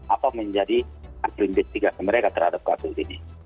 atau menjadi arti lembik tiga ke mereka terhadap kasus